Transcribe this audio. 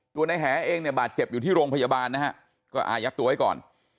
ตัวนายแห่เองบาดเก็บอยู่ที่โรงพยาบาลนะฮะก็อายัดตัวไว้ก่อน